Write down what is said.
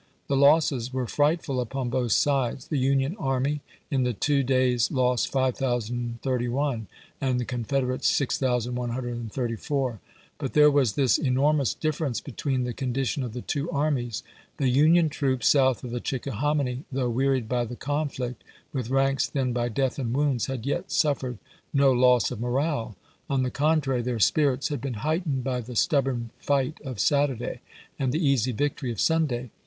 The losses were frightful upon both sides: the Union army, in the two days, lost 5031, and the Confederates 6134. But there was this enormous difference between the condition of the two armies: the Union troops south of the Chicka hominy, though wearied by the conflict, with ranks thinned by death and wounds, had yet suffered no loss of morale; on the contrary, their spirits had been heightened by the stubborn fight of Saturday and the easy victory of Sunday.